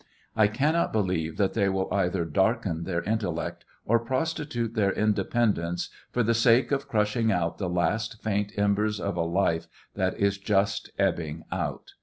I cannot believe that they will either darken their intellect or prostitute their independence for the sake of crushing out the last faint embers of a life that is just ebbing out.